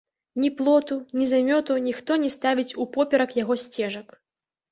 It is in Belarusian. Ні плоту, ні замёту ніхто не ставіць упоперак яго сцежак.